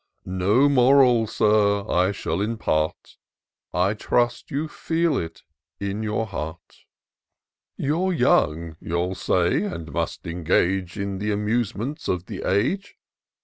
No moral. Sir, I shall impart ; I trust you feel it in your heart. "* You're young,' you'll say, * and must engage In the amusements of the age.'